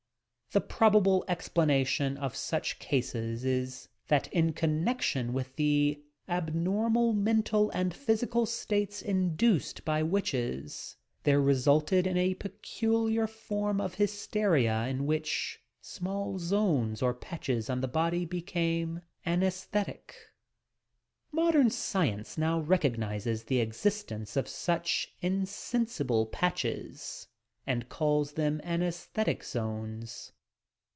The probable explanation of such cases is that in connection with the abnormal mental and physical states induced by witches, there resulted a peculiar form of hysteria in which small zones or patches on the body became antesthetic. Mod em science now recognizes the existence of such in sensible patches and calls them "anfesthetie zones."